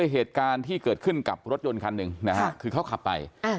เหตุการณ์ที่เกิดขึ้นกับรถยนต์คันหนึ่งนะฮะคือเขาขับไป